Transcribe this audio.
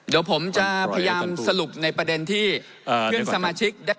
เดี๋ยวผมจะพยายามสรุปในประเด็นที่เพื่อนสมาชิก